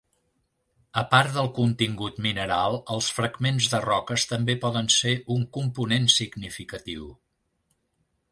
A part del contingut mineral, els fragments de roques també poden ser un component significatiu.